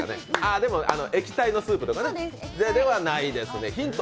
でも、液体のスープとかね。ではないです。